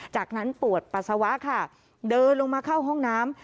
จากนั้นปวดปัสสาวะค่ะเดินลงมาเข้าห้องน้ำ